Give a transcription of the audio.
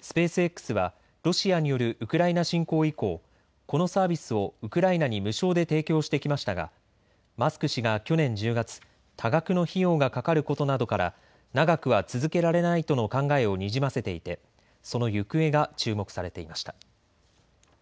スペースＸはロシアによるウクライナ侵攻以降、このサービスをウクライナに無償で提供してきましたがマスク氏が去年１０月多額の費用がかかることなどから長くは続けられないとの考えをにじませていてその行方が注目されていました。